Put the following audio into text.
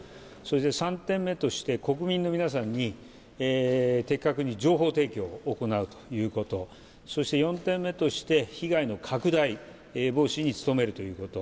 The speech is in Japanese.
３点目として国民の皆さんに的確に情報提供を行うということ、そして、４点目として被害の拡大防止に努めるということ。